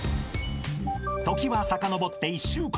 ［時はさかのぼって］